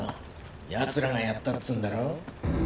ヤツらがやったっつんだろ？